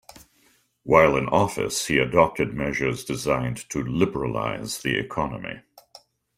While in office he adopted measures designed to liberalize the economy.